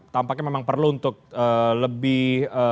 tampaknya memang perlu untuk lebih